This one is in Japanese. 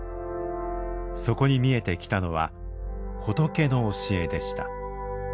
そこに見えてきたのは仏の教えでした。